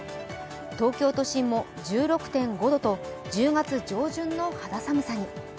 東京都心も１６．５度と１０月上旬の肌寒さに。